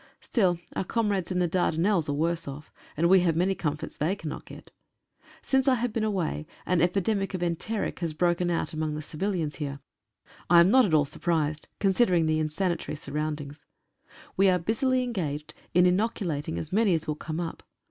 Still, our comrades in the Dardanelles are worse off, and we have many comforts they cannot get. Since I have been away an epidemic of enteric has broken out 138 A CAMEO PICTURE. among the civilians here. I am not at all surprised, con sidering the insanitary surroundings. We are busily engaged in inoculating as many as will come up.